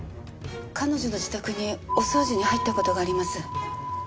彼女の自宅にお掃除に入った事があります。